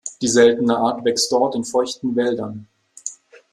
Die seltene Art wächst dort in feuchten Wäldern.